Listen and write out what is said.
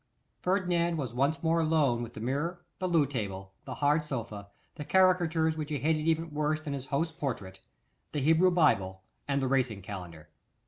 Ferdinand was once more alone with the mirror, the loo table, the hard sofa, the caricatures which he hated even worse than his host's portrait, the Hebrew Bible, and the Racing Calendar.